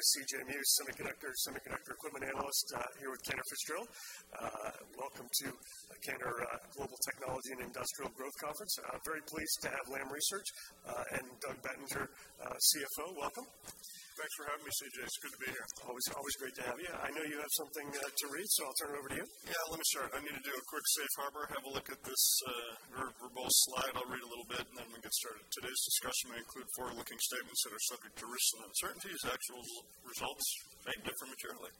Good morning, everyone. My name is C.J. Muse, Semiconductor equipment analyst, here with Cantor Fitzgerald. Welcome to Canaccord Global Technology and Industrial Growth Conference. Very pleased to have Lam Research and Doug Bettinger, CFO. Welcome. Thanks for having me, C.J. It's good to be here. Always great to have you. I know you have something to read, so I'll turn it over to you. Yeah, let me start. I need to do a quick safe harbor, have a look at this verbal slide. I'll read a little bit, and then we'll get started. Today's discussion may include forward-looking statements that are subject to risks and uncertainties. Actual results may differ materially.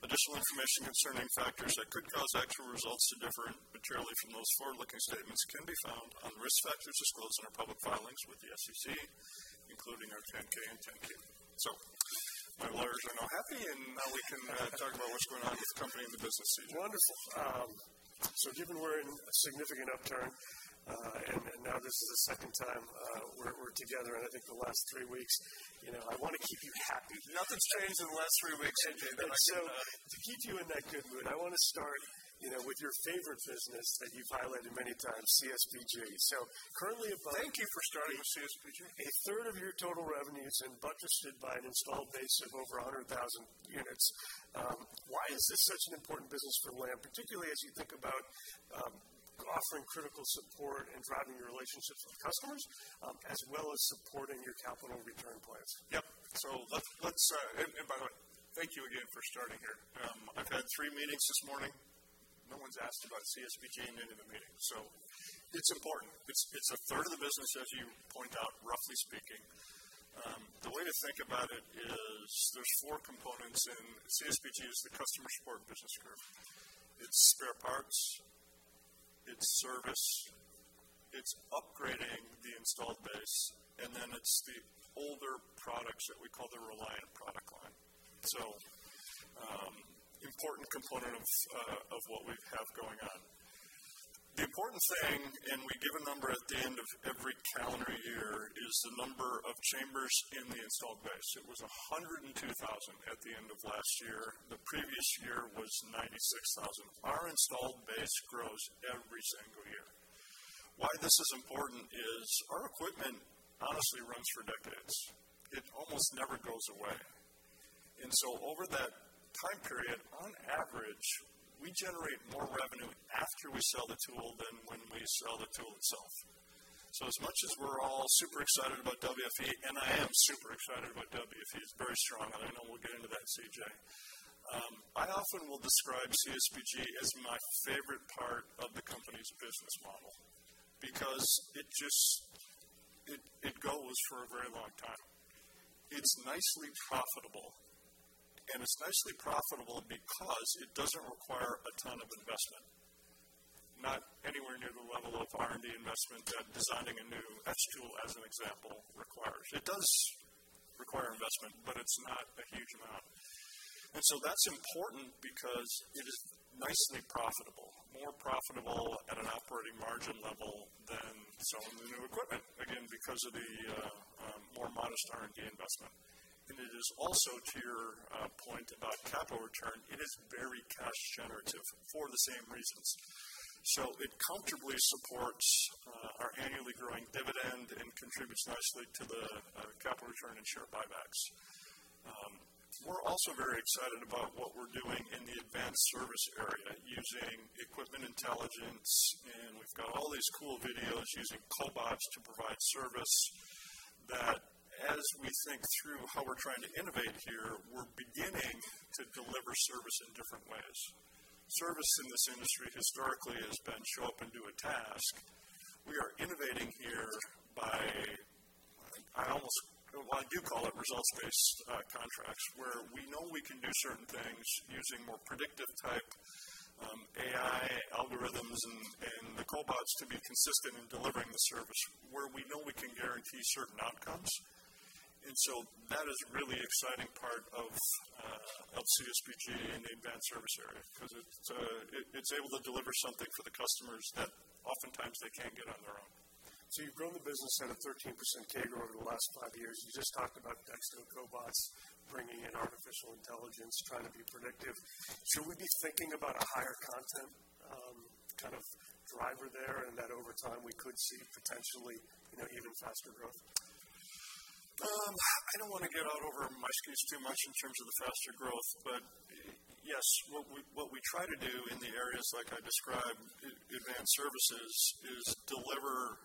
Additional information concerning factors that could cause actual results to differ materially from those forward-looking statements can be found on the risk factors disclosed in our public filings with the SEC, including our 10-K and 10-Q. My lawyers are now happy, and now we can talk about what's going on with the company and the business, C.J. Wonderful. So you've been witnessing a significant upturn, and now this is the second time we're together, and I think the last three weeks, you know, I wanna keep you happy. Nothing's changed in the last three weeks, C.J., but I cannot. To keep you in that good mood, I wanna start, you know, with your favorite business that you've highlighted many times, CSBG. Currently-. Thank you for starting with CSBG. 1/3 of your total revenues and buttressed by an installed base of over 100,000 units. Why is this such an important business for Lam, particularly as you think about, offering critical support and driving your relationships with customers, as well as supporting your capital return plans? Yep. Let's by the way, thank you again for starting here. I've had three meetings this morning. No one's asked about CSBG at the end of the meeting. It's important. It's a third of the business, as you pointed out, roughly speaking. The way to think about it is there's four components. CSBG is the Customer Support Business Group. It's spare parts, it's service, it's upgrading the installed base, and then it's the older products that we call the Reliant product line. Important component of what we have going on. The important thing, and we give a number at the end of every calendar year, is the number of chambers in the installed base. It was 102,000 at the end of last year. The previous year was 96,000. Our installed base grows every single year. Why this is important is our equipment honestly runs for decades. It almost never goes away. Over that time period, on average, we generate more revenue after we sell the tool than when we sell the tool itself. As much as we're all super excited about WFE, and I am super excited about WFE, it's very strong, and I know we'll get into that, C.J. I often will describe CSBG as my favorite part of the company's business model because it just goes for a very long time. It's nicely profitable, and it's nicely profitable because it doesn't require a ton of investment. Not anywhere near the level of R&D investment that designing a new etch tool, as an example, requires. It does require investment, but it's not a huge amount. That's important because it is nicely profitable, more profitable at an operating margin level than selling the new equipment, again, because of the more modest R&D investment. It is also, to your point about capital return, it is very cash generative for the same reasons. It comfortably supports our annually growing dividend and contributes nicely to the capital return and share buybacks. We're also very excited about what we're doing in the advanced service area using Equipment Intelligence, and we've got all these cool videos using cobots to provide service that as we think through how we're trying to innovate here, we're beginning to deliver service in different ways. Service in this industry historically has been show up and do a task. We are innovating here by, I do call it, results-based contracts, where we know we can do certain things using more predictive type AI algorithms and the cobots to be consistent in delivering the service where we know we can guarantee certain outcomes. That is a really exciting part of CSBG in the advanced service area because it's able to deliver something for the customers that oftentimes they can't get on their own. You've grown the business at a 13% CAGR over the last five years. You just talked about Dextro, cobots, bringing in artificial intelligence, trying to be predictive. Should we be thinking about a higher content, kind of driver there and that over time we could see potentially, you know, even faster growth? I don't wanna get out over my skis too much in terms of the faster growth, but yes, what we try to do in the areas like I described, advanced services, is deliver US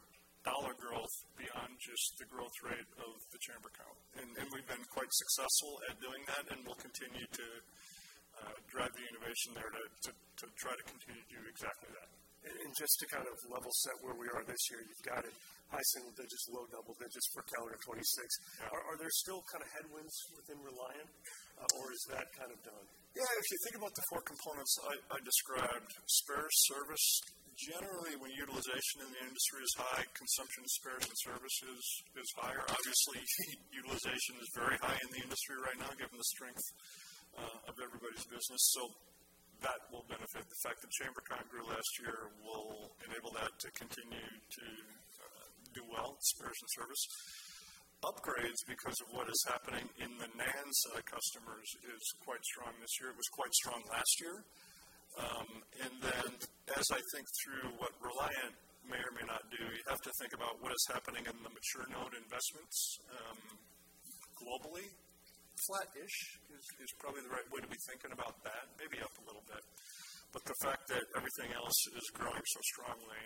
dollar growth beyond just the growth rate of the chamber count. We've been quite successful at doing that, and we'll continue to drive the innovation there to try to continue to do exactly that. Just to kind of level set where we are this year, you've got it high single digits, low double digits for calendar 2026. Yeah. Are there still kind of headwinds within Reliant or is that kind of done? Yeah, if you think about the four components I described, spares and service, generally, when utilization in the industry is high, consumption of spares and services is higher. Obviously, utilization is very high in the industry right now, given the strength of everybody's business. That will benefit. The fact that chamber count grew last year will enable that to continue to do well, spares and service. Upgrades, because of what is happening end-side customers, is quite strong this year. It was quite strong last year. And then as I think through what Reliant may or may not do, you have to think about what is happening in the mature node investments, globally. Flattish is probably the right way to be thinking about that, maybe up a little bit. The fact that everything else is growing so strongly,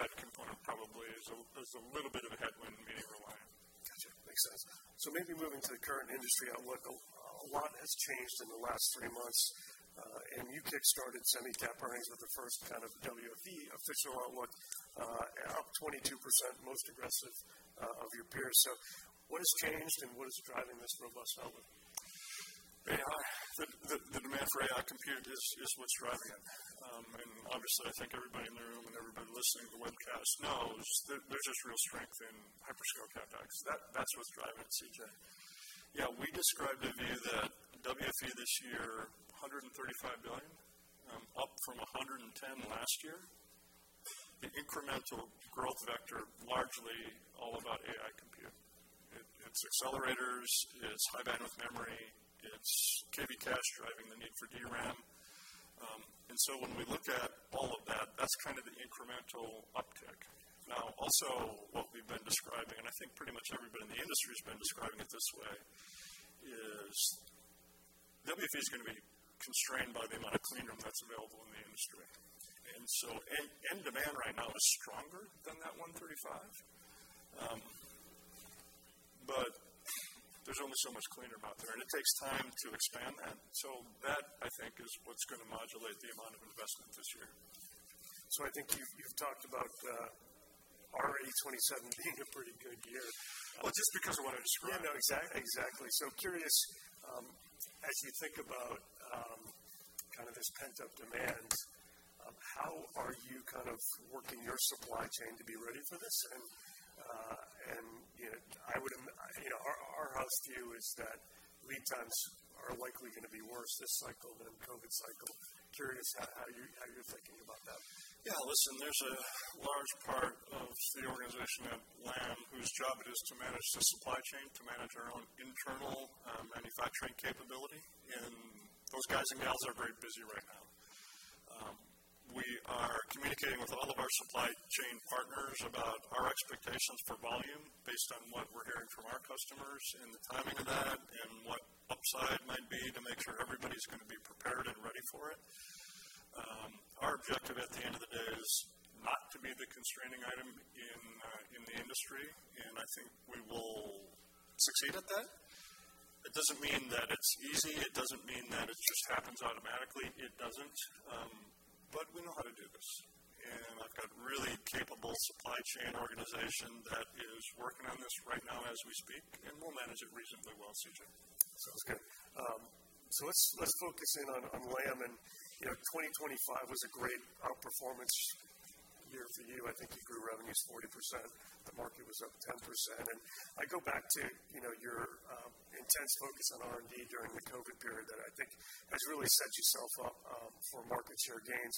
that component probably is a little bit of a headwind in Reliant. Gotcha. Makes sense. Maybe moving to the current industry outlook, a lot has changed in the last three months, and you kick-started semi cap earnings with the first kind of WFE official outlook, up 22%, most aggressive of your peers. What has changed and what is driving this robust outlook? AI. The demand for AI compute is what's driving it. Obviously I think everybody in the room and everybody listening to the webcast knows there's just real strength in hyperscale CapEx. That's what's driving it, C.J. Yeah, we described a view that WFE this year, $135 billion, up from $110 billion last year. The incremental growth vector largely all about AI compute. It's accelerators, it's high bandwidth memory, it's KV cache driving the need for DRAM. When we look at all of that's kind of the incremental uptick. Now, also what we've been describing, and I think pretty much everybody in the industry has been describing it this way, is WFE is gonna be constrained by the amount of clean room that's available in the industry. Demand right now is stronger than that 135. There's only so much clean room out there, and it takes time to expand that. That I think is what's gonna modulate the amount of investment this year. I think you've talked about already 2027 being a pretty good year. Well, just because of what I described. Yeah, no, exactly. Curious, as you think about kind of this pent-up demand, how are you kind of working your supply chain to be ready for this? You know, you know, our house view is that lead times are likely gonna be worse this cycle than COVID cycle. Curious how you're thinking about that. Yeah, listen, there's a large part of the organization at Lam whose job it is to manage the supply chain, to manage our own internal manufacturing capability, and those guys and gals are very busy right now. We are communicating with all of our supply chain partners about our expectations for volume based on what we're hearing from our customers and the timing of that, and what upside might be to make sure everybody's gonna be prepared and ready for it. Our objective at the end of the day is not to be the constraining item in the industry, and I think we will succeed at that. It doesn't mean that it's easy. It doesn't mean that it just happens automatically. It doesn't. We know how to do this. I've got really capable supply chain organization that is working on this right now as we speak, and we'll manage it reasonably well, C.J. Sounds good. Let's focus in on Lam. You know, 2025 was a great outperformance year for you. I think you grew revenues 40%, the market was up 10%. I go back to, you know, your intense focus on R&D during the COVID period that I think has really set yourself up for market share gains.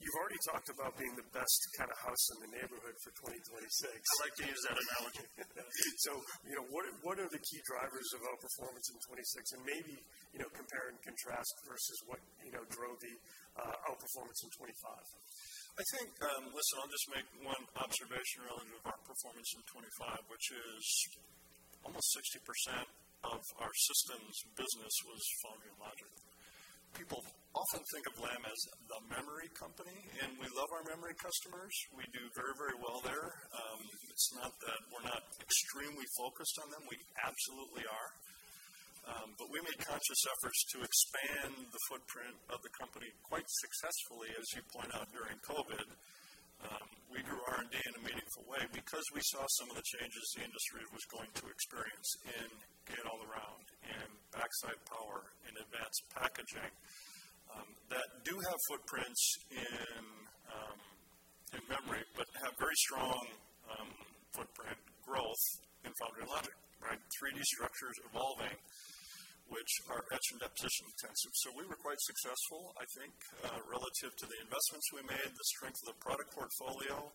You've already talked about being the best kind of house in the neighborhood for 2026. I like to use that analogy. You know, what are the key drivers of outperformance in 2026? Maybe, you know, compare and contrast versus what, you know, drove the outperformance in 2025. I think, I'll just make one observation around our performance in 2025, which is almost 60% of our systems business was foundry logic. People often think of Lam as the memory company, and we love our memory customers. We do very, very well there. It's not that we're not extremely focused on them, we absolutely are. But we made conscious efforts to expand the footprint of the company quite successfully, as you point out during COVID. We grew R&D in a meaningful way because we saw some of the changes the industry was going to experience in gate-all-around and backside power and advanced packaging, that do have footprints in memory, but have very strong footprint growth in foundry logic, right? 3D structures evolving, which are etch and deposition intensive. We were quite successful, I think, relative to the investments we made, the strength of the product portfolio,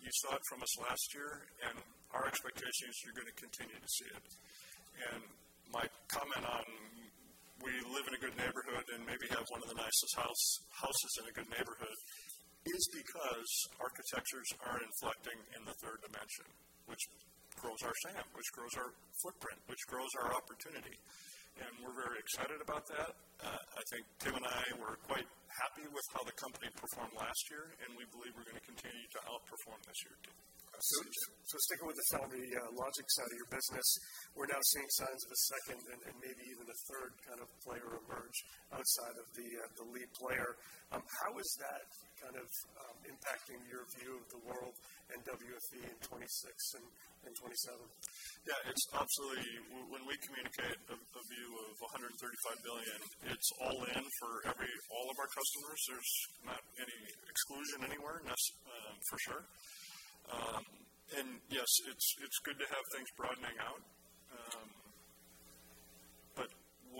you saw it from us last year, and our expectation is you're gonna continue to see it. My comment on we live in a good neighborhood and maybe have one of the nicest houses in a good neighborhood is because architectures are inflecting in the third dimension, which grows our SAM, which grows our footprint, which grows our opportunity. We're very excited about that. I think Tim and I were quite happy with how the company performed last year, and we believe we're gonna continue to outperform this year, too. Sticking with the foundry logic side of your business, we're now seeing signs of a second and maybe even a third kind of player emerge outside of the lead player. How is that kind of impacting your view of the world and WFE in 2026 and 2027? Yeah, it's absolutely. When we communicate a view of $135 billion, it's all in for all of our customers. There's not any exclusion anywhere, that's for sure. Yes, it's good to have things broadening out.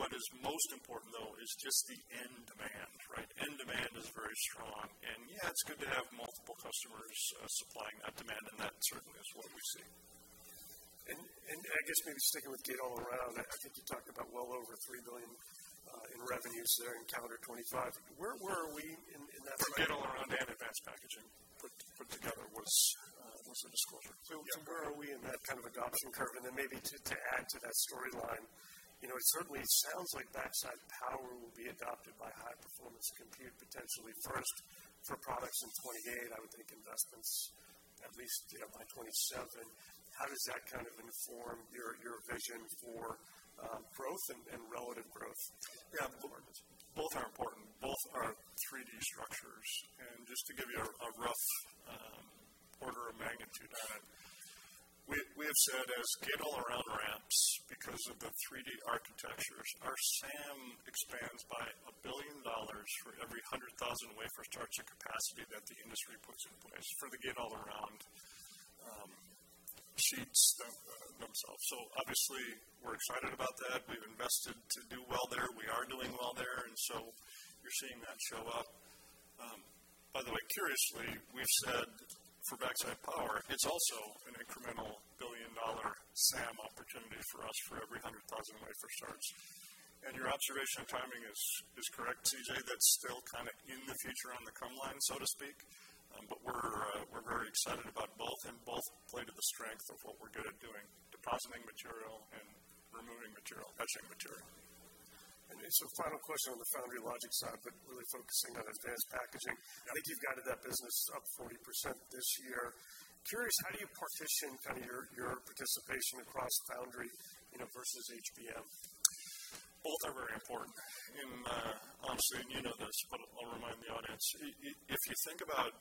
What is most important though is just the end demand, right? End demand is very strong. Yeah, it's good to have multiple customers supplying that demand, and that certainly is what we see. I guess maybe sticking with gate-all-around, I think you talked about well over $3 billion in revenues there in calendar 2025. Where are we in that cycle? For gate-all-around and advanced packaging put together was the disclosure. Yeah. Where are we in that kind of adoption curve? And then maybe to add to that storyline, you know, it certainly sounds like backside power will be adopted by high-performance compute potentially first for products in 2028. I would think investments at least by 2027. How does that kind of inform your vision for growth and relative growth? Yeah. Both are important. Both are 3D structures. Just to give you a rough order of magnitude on it, we have said as gate-all-around ramps because of the 3D architectures, our SAM expands by $1 billion for every 100,000 wafer starts at capacity that the industry puts in place for the gate-all-around sheets themselves. Obviously, we're excited about that. We've invested to do well there. We are doing well there, and so you're seeing that show up. By the way, curiously, we've said for backside power, it's also an incremental $1 billion SAM opportunity for us for every 100,000 wafer starts. Your observation of timing is correct, C.J. That's still kind of in the future on the come line, so to speak. We're very excited about both, and both play to the strength of what we're good at doing, depositing material and removing material, etching material. Final question on the foundry logic side, but really focusing on advanced packaging. I think you've guided that business up 40% this year. Curious, how do you partition kind of your participation across foundry, you know, versus HBM? Both are very important. Honestly, and you know this, but I'll remind the audience. If you think about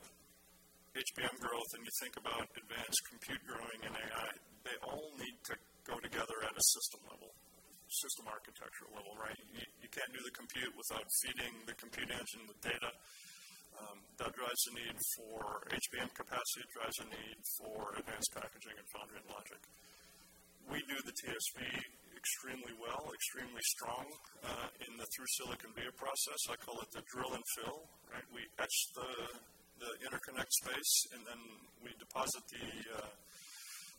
HBM growth, and you think about advanced compute growing in AI, they all need to go together at a system level, system architecture level, right? You can't do the compute without feeding the compute engine with data. That drives the need for HBM capacity. It drives the need for advanced packaging and foundry and logic. We do the TSV extremely well, extremely strong, in the Through-Silicon Via process. I call it the drill and fill, right? We etch the interconnect space, and then we deposit the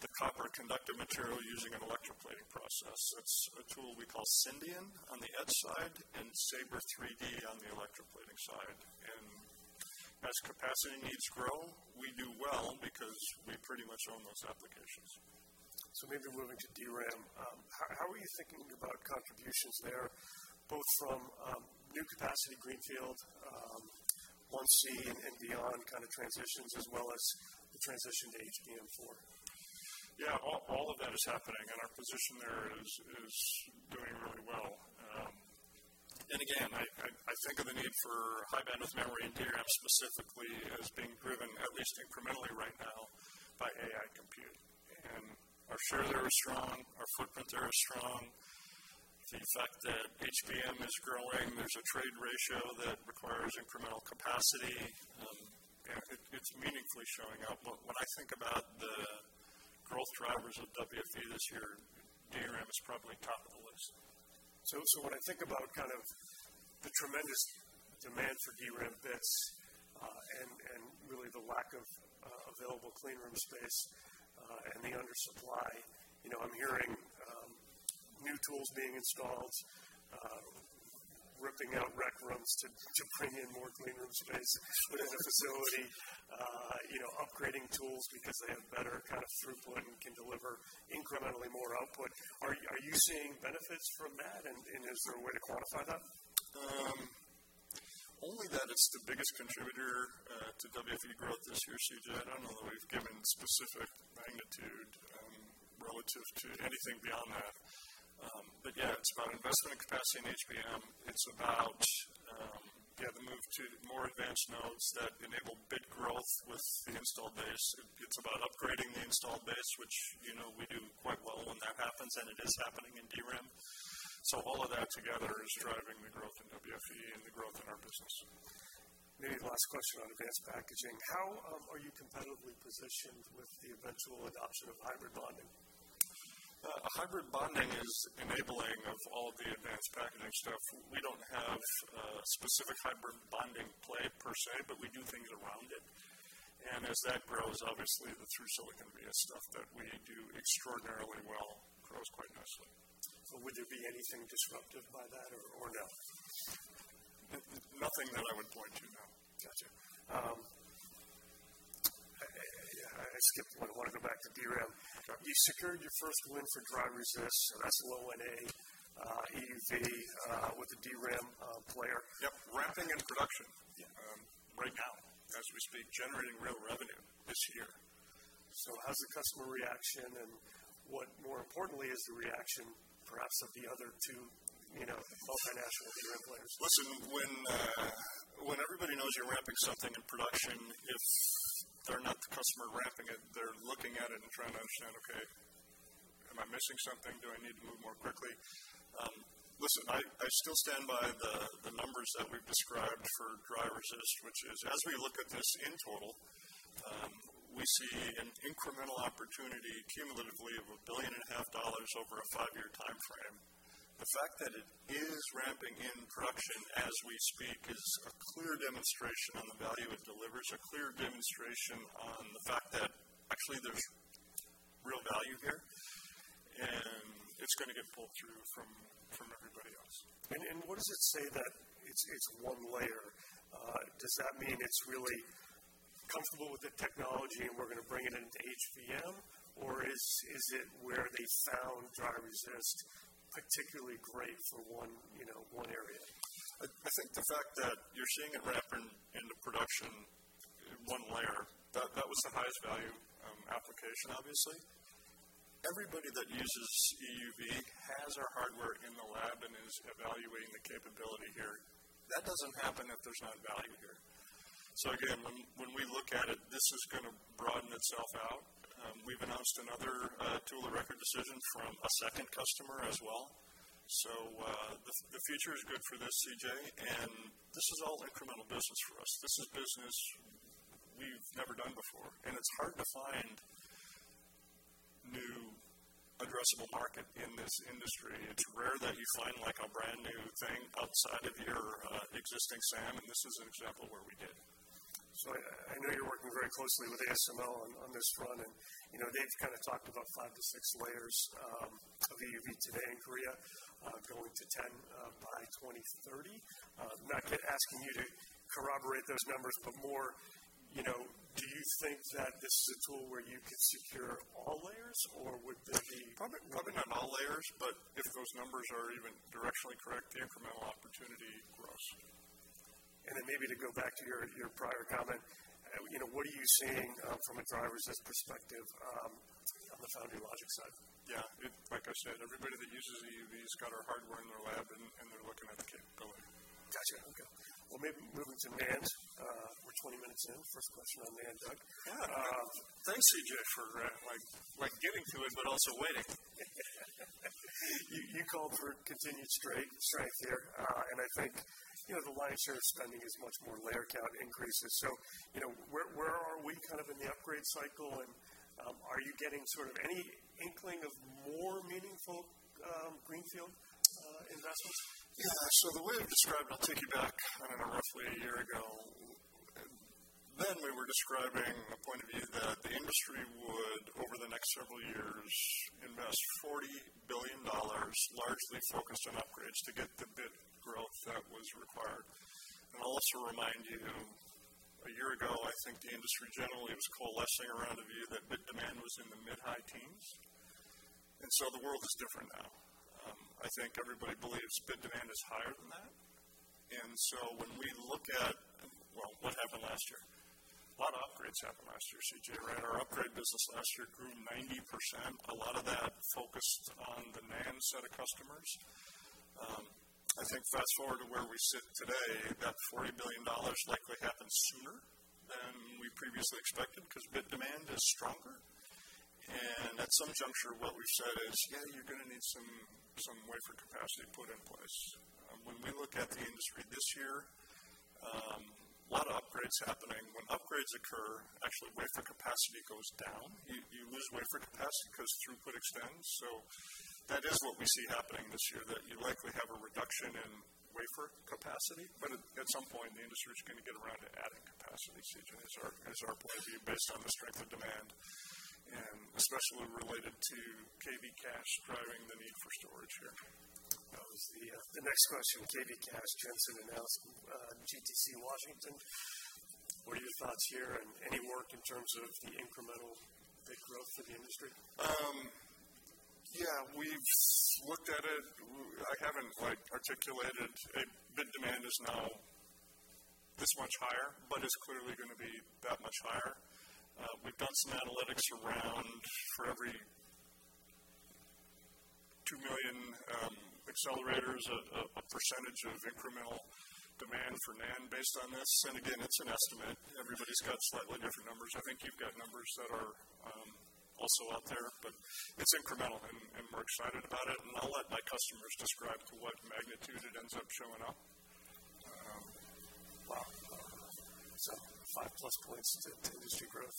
copper conductive material using an electroplating process. That's a tool we call Syndion on the etch side and SABRE 3D on the electroplating side. As capacity needs grow, we do well because we pretty much own those applications. Maybe moving to DRAM. How are you thinking about contributions there, both from new capacity greenfield, 1c and beyond kind of transitions as well as the transition to HBM4? Yeah. All of that is happening, and our position there is doing really well. Again, I think of the need for high-bandwidth memory and DRAM specifically as being driven at least incrementally right now by AI compute. Our share there is strong. Our footprint there is strong. The fact that HBM is growing, there's a trade ratio that requires incremental capacity. You know, it's meaningfully showing up. When I think about the growth drivers of WFE this year, DRAM is probably top of the list. When I think about kind of the tremendous demand for DRAM bits, and really the lack of available clean room space, and the undersupply, you know, I'm hearing new tools being installed, ripping out rec rooms to bring in more clean room space within the facility, you know, upgrading tools because they have better kind of throughput and can deliver incrementally more output. Are you seeing benefits from that, and is there a way to quantify that? Only that it's the biggest contributor to WFE growth this year, C.J. I don't know that we've given specific magnitude relative to anything beyond that. Yeah, it's about investment capacity in HBM. It's about the move to more advanced nodes that enable bit growth with the installed base. It's about upgrading the installed base, which, you know, we do quite well when that happens, and it is happening in DRAM. All of that together is driving the growth in WFE and the growth in our business. Maybe the last question on advanced packaging. How are you competitively positioned with the eventual adoption of hybrid bonding? Hybrid bonding is enabling all of the advanced packaging stuff. We don't have a specific hybrid bonding play per se, but we do things around it. As that grows, obviously the through-silicon via stuff that we do extraordinarily well grows quite nicely. Would there be anything disrupted by that or no? Nothing that I would point to, no. Gotcha. I skipped one. I wanna go back to DRAM. Sure. You secured your first win for dry resist, so that's a low NA EUV with a DRAM player. Yep. Ramping in production. Yeah. Right now as we speak, generating real revenue this year. How's the customer reaction, and what more importantly is the reaction perhaps of the other two, you know, multinational DRAM players? Listen, when everybody knows you're ramping something in production, if they're not the customer ramping it, they're looking at it and trying to understand, "Okay, am I missing something? Do I need to move more quickly?" Listen, I still stand by the numbers that we've described for dry resist, which is as we look at this in total, we see an incremental opportunity cumulatively of $1.5 billion over a five year time frame. The fact that it is ramping in production as we speak is a clear demonstration on the value it delivers, a clear demonstration on the fact that actually there's real value here, and it's gonna get pulled through from everybody else. What does it say that it's one layer? Does that mean it's really comfortable with the technology and we're gonna bring it into HBM? Or is it where they found dry resist particularly great for one, you know, one area? I think the fact that you're seeing it ramp into production one layer, that was the highest value application, obviously. Everybody that uses EUV has our hardware in the lab and is evaluating the capability here. That doesn't happen if there's not value here. Again, when we look at it, this is gonna broaden itself out. We've announced another tool of record decision from a second customer as well. The future is good for this, C.J., and this is all incremental business for us. This is business we've never done before, and it's hard to find new addressable market in this industry. It's rare that you find like a brand new thing outside of your existing SAM, and this is an example where we did. I know you're working very closely with ASML on this run, and you know, they've kind of talked about five to six layers of EUV today in Korea going to 10 by 2030. I'm not asking you to corroborate those numbers, but more, you know, do you think that this is a tool where you could secure all layers or would there be- Probably not all layers, but if those numbers are even directionally correct, the incremental opportunity grows. Maybe to go back to your prior comment, you know, what are you seeing from a dry resist perspective on the foundry logic side? Yeah. Like I said, everybody that uses EUV has got our hardware in their lab and they're looking at the capability. Gotcha. Okay. Well, maybe moving to NAND. We're 20-minutes in. First question on NAND, Doug. Yeah. Thanks, C.J., for like getting to it, but also waiting. You called for continued strength here. I think, you know, the lion's share of spending is much more layer count increases. You know, where are we kind of in the upgrade cycle and are you getting sort of any inkling of more meaningful greenfield investments? Yeah. The way I've described, I'll take you back, I don't know, roughly a year ago. We were describing a point of view that the industry would, over the next several years, invest $40 billion, largely focused on upgrades to get the bit growth that was required. I'll also remind you, a year ago, I think the industry generally was coalescing around a view that bit demand was in the mid-high teens. The world is different now. I think everybody believes bit demand is higher than that. When we look at, well, what happened last year? A lot of upgrades happened last year, C.J., right? Our upgrade business last year grew 90%. A lot of that focused on the NAND set of customers. I think fast-forward to where we sit today, that $40 billion likely happened sooner than we previously expected because bit demand is stronger. At some juncture, what we've said is, yeah, you're gonna need some wafer capacity put in place. When we look at the industry this year, a lot of upgrades happening. When upgrades occur, actually wafer capacity goes down. You lose wafer capacity because throughput extends. That is what we see happening this year, that you likely have a reduction in wafer capacity, but at some point, the industry is gonna get around to adding capacity, C.J., is our point of view based on the strength of demand and especially related to KV cache driving the need for storage here. That was the next question, KV cache Jensen announced GTC Washington, D.C. What are your thoughts here and any work in terms of the incremental bit growth for the industry? Yeah, we've looked at it. I haven't quite articulated it. Bit demand is now this much higher, but it's clearly gonna be that much higher. We've done some analytics around for every 2 million accelerators, a percentage of incremental demand for NAND based on this. Again, it's an estimate. Everybody's got slightly different numbers. I think you've got numbers that are also out there, but it's incremental and we're excited about it, and I'll let my customers describe to what magnitude it ends up showing up. Wow. five plus points to industry growth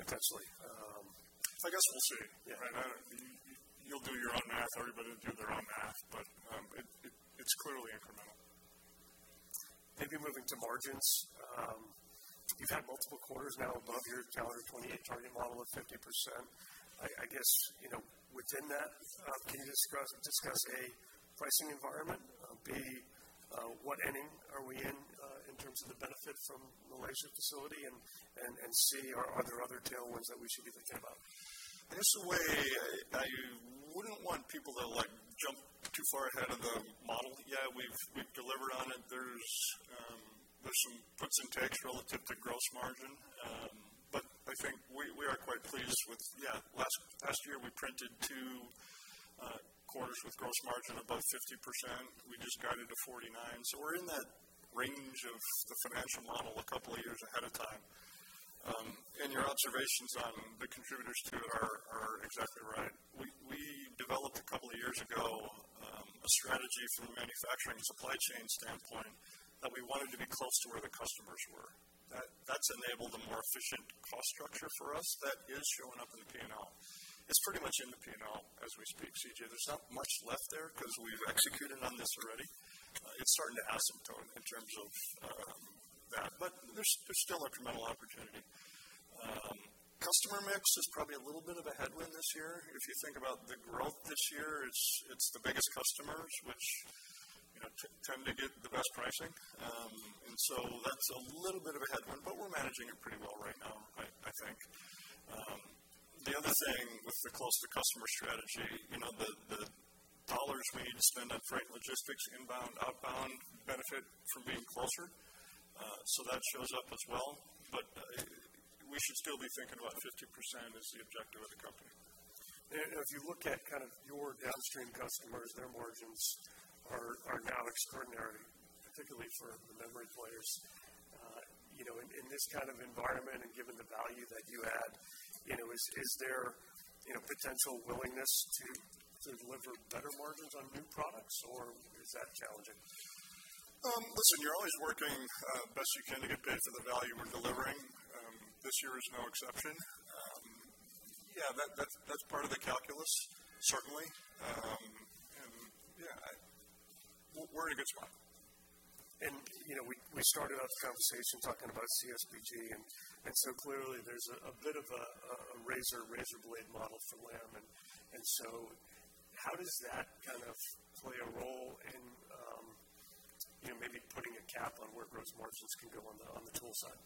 potentially. I guess we'll see. Yeah. Right? You, you'll do your own math. Everybody will do their own math, but it's clearly incremental. Maybe moving to margins. You've had multiple quarters now above your calendar 2028 target model of 50%. I guess, you know, within that, can you discuss A, pricing environment, B, what inning are we in in terms of the benefit from the Leipzig facility and C, are there other tailwinds that we should be thinking about? This is a way I wouldn't want people to, like, jump too far ahead of the model. Yeah, we've delivered on it. There's some puts and takes relative to gross margin. But I think we are quite pleased with past year, we printed two quarters with gross margin above 50%. We just guided to 49%. We're in that range of the financial model a couple of years ahead of time. Your observations on the contributors to it are exactly right. We developed a couple of years ago a strategy from a manufacturing supply chain standpoint that we wanted to be close to where the customers were. That's enabled a more efficient cost structure for us. That is showing up in the P&L. It's pretty much in the P&L as we speak, C.J. There's not much left there 'cause we've executed on this already. It's starting to asymptote in terms of that, but there's still incremental opportunity. Customer mix is probably a little bit of a headwind this year. If you think about the growth this year, it's the biggest customers which, you know, tend to get the best pricing. That's a little bit of a headwind, but we're managing it pretty well right now, I think. The other thing with the close to customer strategy, you know, the dollars we need to spend on freight and logistics, inbound, outbound benefit from being closer. That shows up as well. We should still be thinking about 50% as the objective of the company. If you look at kind of your downstream customers, their margins are now extraordinary, particularly for the memory players. You know, in this kind of environment and given the value that you add, you know, is there potential willingness to deliver better margins on new products or is that challenging? Listen, you're always working best you can to get paid for the value we're delivering. This year is no exception. Yeah, that's part of the calculus certainly. Yeah, we're in a good spot. You know, we started off the conversation talking about CSBG and so clearly there's a bit of a razor-blade model for Lam. So how does that kind of play a role in, you know, maybe putting a cap on where gross margins can go on the tool side?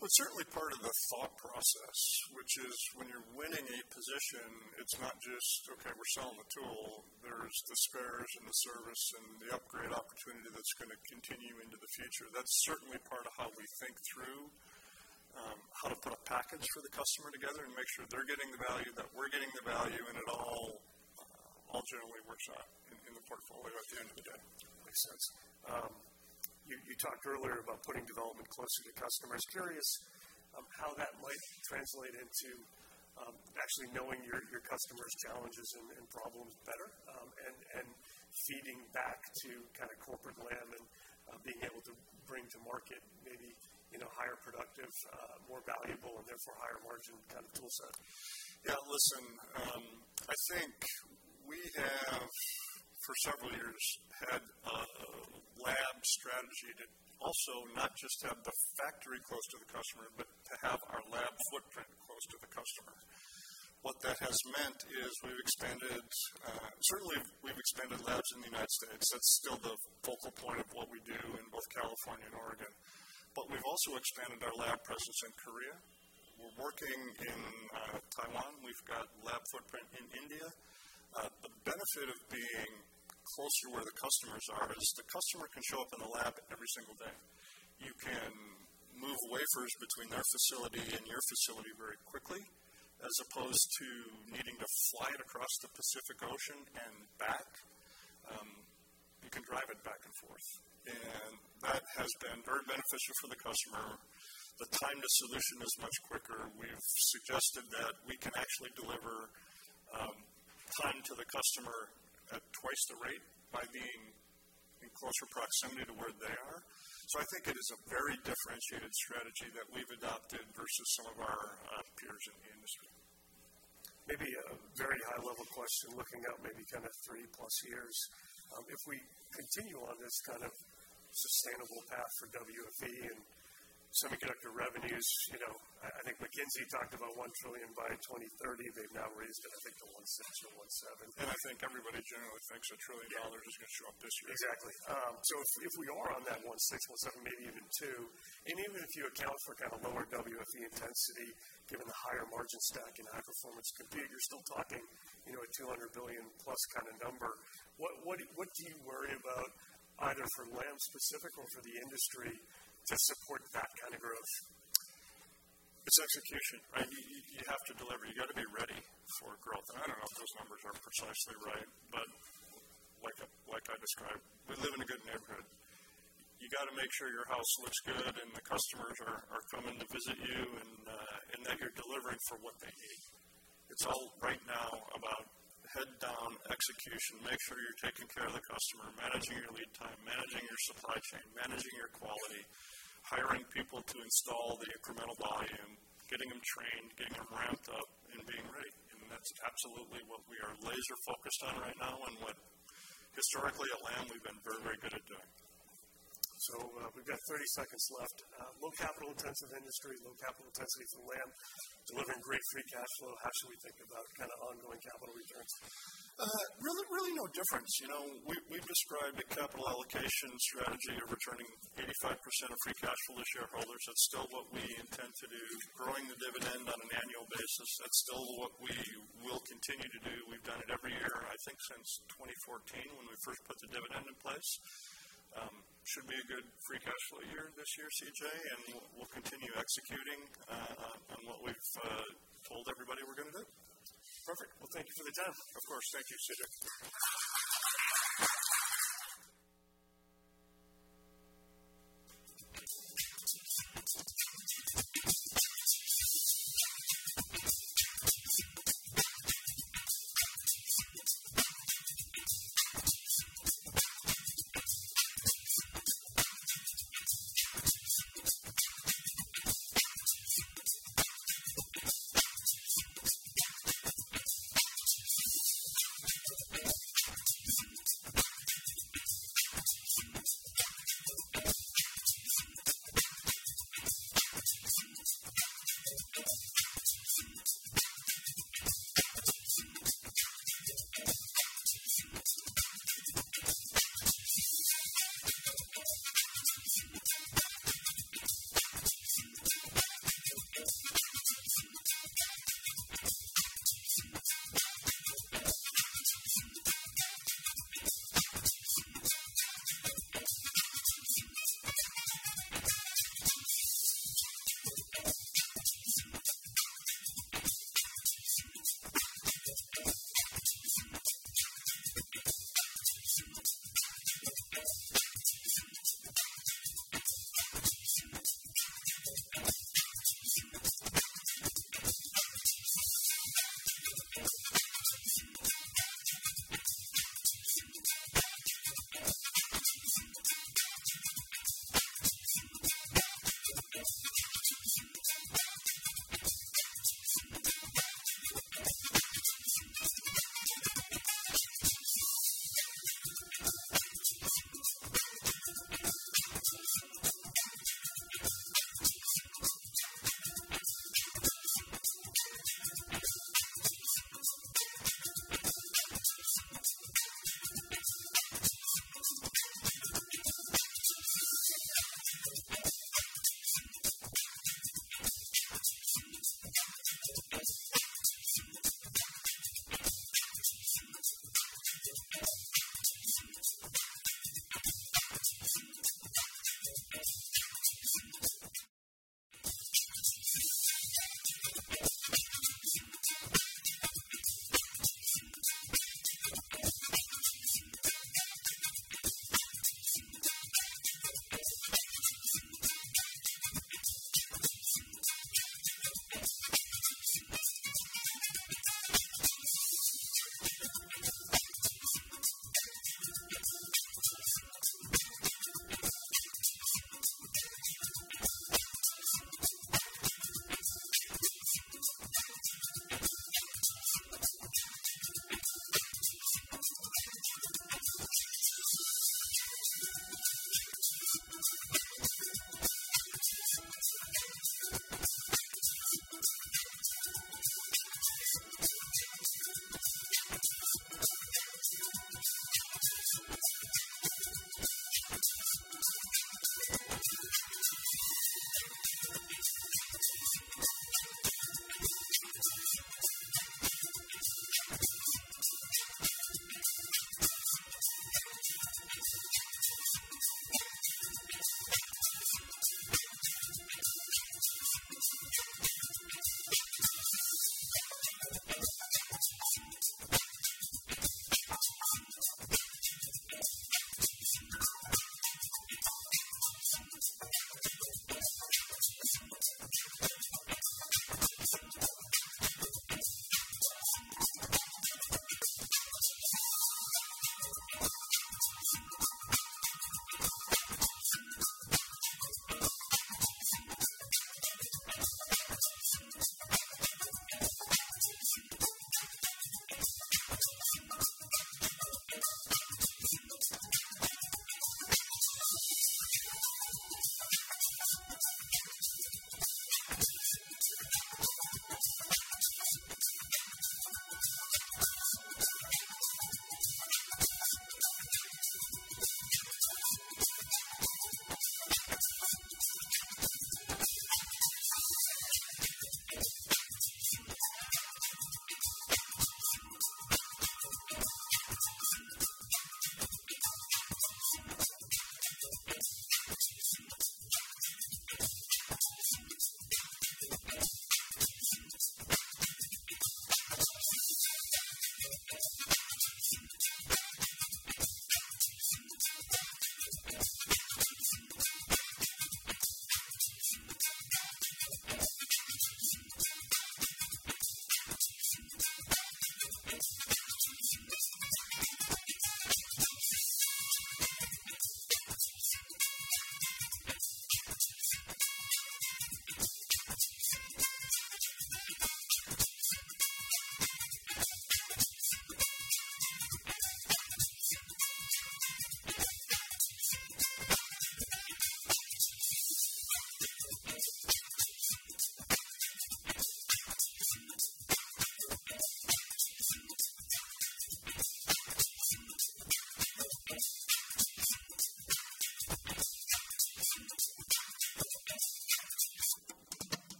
Well, it's certainly part of the thought process, which is when you're winning a position, it's not just, "Okay, we're selling the tool." There's the spares and the service and the upgrade opportunity that's gonna continue into the future. That's certainly part of how we think through how to put a package for the customer together and make sure they're getting the value, that we're getting the value, and it all generally works out in the portfolio at the end of the day. Makes sense. You talked earlier about putting development closer to customers. Curious how that might translate into actually knowing your customers' challenges and problems better and feeding back to kind of corporate Lam and being able to bring to market maybe, you know, higher productive, more valuable and therefore higher margin kind of tool set. Yeah, listen, I think we have for several years had a lab strategy to also not just have the factory close to the customer, but to have our lab footprint close to the customer. What that has meant is we've expanded, certainly we've expanded labs in the United States. That's still the focal point of what we do in both California and Oregon. But we've also expanded our lab presence in Korea. We're working in Taiwan. We've got lab footprint in India. The benefit of being closer to where the customers are is the customer can show up in the lab every single day. You can move wafers between their facility and your facility very quickly, as opposed to needing to fly it across the Pacific Ocean and back. You can drive it back and forth. That has been very beneficial for the customer. The time to solution is much quicker. We've suggested that we can actually deliver time to the customer at twice the rate by being in closer proximity to where they are. I think it is a very differentiated strategy that we've adopted versus some of our peers in the industry. Maybe a very high level question, looking out maybe kind of three plus years. If we continue on this kind of sustainable path for WFE and semiconductor revenues, you know, I think McKinsey talked about $1 trillion by 2030. They've now raised it I think to $1.6 or $1.7. I think everybody generally thinks $1 trillion is gonna show up this year. Exactly. If we are on that 1.6, 1.7, maybe even two, and even if you account for kind of lower WFE intensity, given the higher margin stack in high-performance compute, you're still talking, you know, a $200 billion plus kind of number. What do you worry about either for Lam-specific or for the industry to support that kind of growth? It's execution, right? You have to deliver. You got to be ready for growth. I don't know if those numbers are precisely right, but like I described, we live in a good neighborhood. You got to make sure your house looks good and the customers are coming to visit you and that you're delivering for what they need. It's all right now about head down execution. Make sure you're taking care of the customer, managing your lead time, managing your supply chain, managing your quality, hiring people to install the incremental volume, getting them trained, getting them ramped up and being ready. That's absolutely what we are laser focused on right now and what historically at Lam we've been very, very good at doing. We've got 30-seconds left. Low capital intensive industry, low capital intensity for Lam, delivering great free cash flow. How should we think about kind of ongoing capital returns? Really no difference. You know, we've described a capital allocation strategy of returning 85% of free cash flow to shareholders. That's still what we intend to do. Growing the dividend on an annual basis, that's still what we will continue to do. We've done it every year, I think, since 2014 when we first put the dividend in place. Should be a good free cash flow year this year, CJ, and we'll continue executing on what we've told everybody we're gonna do. Perfect. Well, thank you for the time. Of course. Thank you, C.J.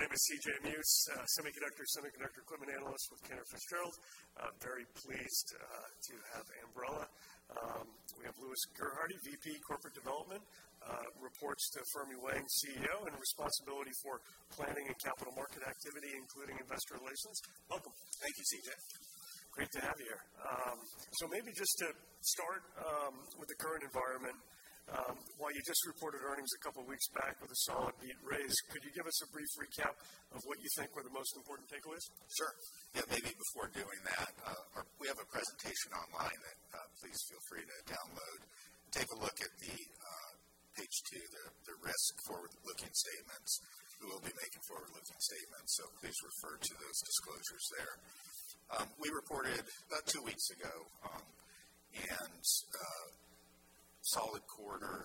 My name is C.J. Muse, semiconductor equipment analyst with Cantor Fitzgerald. I'm very pleased to have Ambarella. We have Louis Gerhardy, VP, Corporate Development, reports to Fermi Wang, CEO, and responsibility for planning and capital market activity, including investor relations. Welcome. Thank you, C.J. Great to have you here. Maybe just to start, with the current environment, while you just reported earnings a couple weeks back with a solid beat raise, could you give us a brief recap of what you think were the most important takeaways? Sure. Yeah, maybe before doing that, we have a presentation online, and please feel free to download. Take a look at Page 2, the risk and forward-looking statements. We will be making forward-looking statements, so please refer to those disclosures there. We reported about two weeks ago and a solid quarter,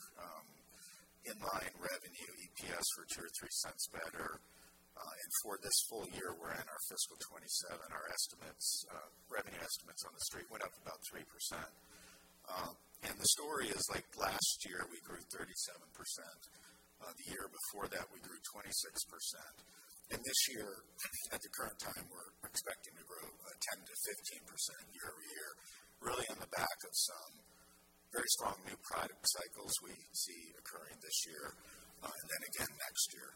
in-line revenue and EPS $0.02 or $0.03 better. For this full year, we're in our fiscal 2027. Our revenue estimates on the street went up about 3%. The story is like last year, we grew 37%. The year before that, we grew 26%. This year, at the current time, we're expecting to grow 10%-15% year-over-year, really on the back of some very strong new product cycles we see occurring this year, and then again next year.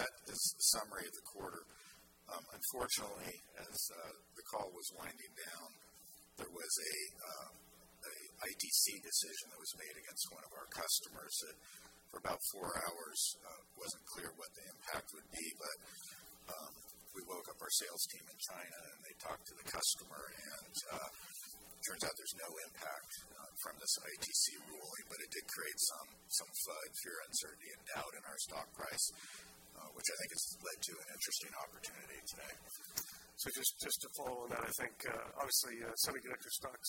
That is the summary of the quarter. Unfortunately, as the call was winding down, there was an ITC decision that was made against one of our customers, and for about four hours, wasn't clear what the impact would be. We woke up our sales team in China, and they talked to the customer, and turns out there's no impact from this ITC ruling, but it did create some fear, uncertainty and doubt in our stock price, which I think it's led to an interesting opportunity today. Just to follow on that, I think, obviously, semiconductor stocks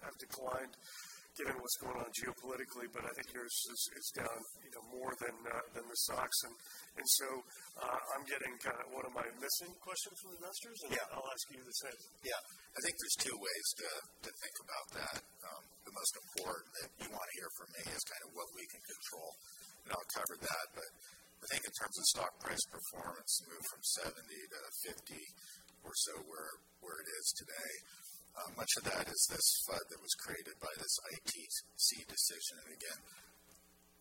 have declined given what's going on geopolitically, but I think yours is down, you know, more than the stocks. I'm getting kind of what am I missing question from investors. Yeah. I'll ask you the same. Yeah. I think there's two ways to think about that. The most important that you want to hear from me is kind of what we can control, and I'll cover that. I think in terms of stock price performance, the move from 70-50 or so where it is today, much of that is this FUD that was created by this ITC decision. Again,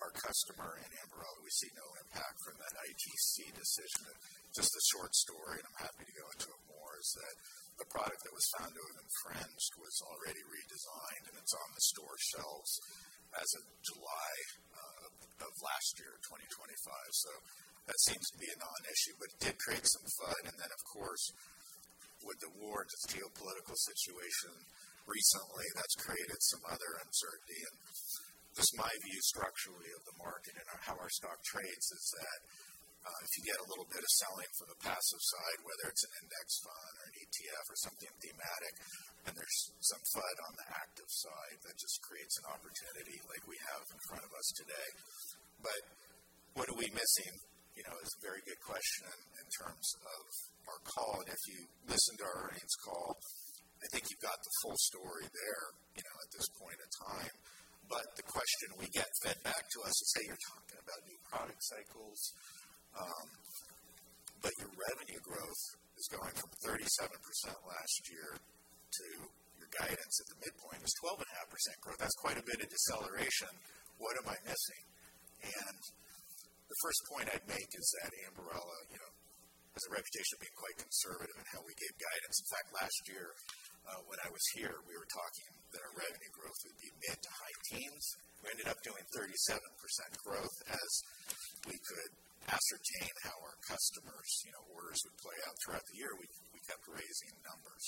our customer Ambarella, we see no impact from that ITC decision. Just the short story, and I'm happy to go into it more, is that the product that was found to have infringed was already redesigned, and it's on the store shelves as of July of last year, 2025. That seems to be a non-issue, but it did create some FUD. Then, of course, with the war and the geopolitical situation recently, that's created some other uncertainty. Just my view structurally of the market and how our stock trades is that, if you get a little bit of selling from the passive side, whether it's an index fund or an ETF or something thematic, then there's some FUD on the active side that just creates an opportunity like we have in front of us today. What are we missing? You know, it's a very good question in terms of our call. If you listen to our earnings call, I think you've got the full story there, you know, at this point in time. The question we get fed back to us is, hey, you're talking about new product cycles, but your revenue growth is going from 37% last year to your guidance at the midpoint is 12.5% growth. That's quite a bit of deceleration. What am I missing? The first point I'd make is that Ambarella, you know, has a reputation of being quite conservative in how we give guidance. In fact, last year, when I was here, we were talking that our revenue growth would be mid- to high-teens. We ended up doing 37% growth as we could ascertain how our customers', you know, orders would play out throughout the year. We kept raising the numbers.